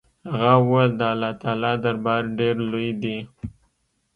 هغه وويل د الله تعالى دربار ډېر لوى دې.